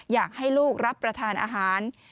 อยากให้ลูกรับประทานอาหาร